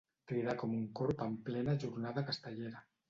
Cridar com un corb en plena jornada castellera.